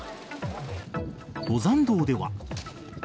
登山道では。